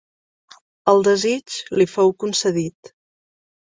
El desig li fou concedit.